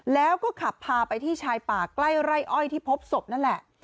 แล้วก็ขับพาไปที่ชายป่าใกล้ไร่อ้อยที่พบศพนั่นแหละ